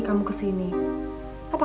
salam buat ibumu ya